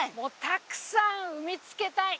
たくさん産みつけたい。